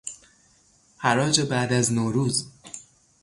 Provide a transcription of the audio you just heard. حراج بعد از نوروز